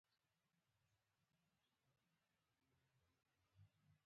ما د بڼوالۍ ژبه هم پاکه کړه.